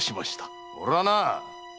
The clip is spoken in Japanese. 俺はなあ